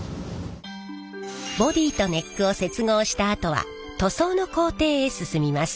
ボディーとネックを接合したあとは塗装の工程へ進みます。